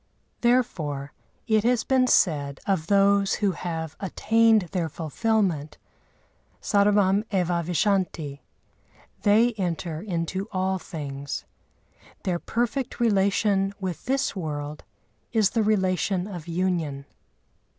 Therefore it has been said of those who have attained their fulfilment,—"sarvam evá vishanti" (they enter into all things). Their perfect relation with this world is the relation of union.